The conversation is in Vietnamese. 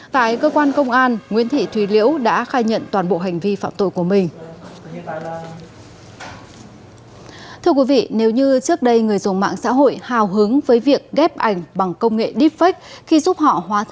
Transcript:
tại cơ quan công an nguyễn thị thùy liễu đã khai nhận toàn bộ hành vi phạm tội của mình